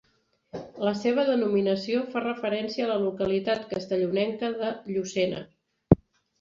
La seva denominació fa referència a la localitat castellonenca de Llucena.